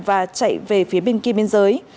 và chạy về phía bên kia biên giới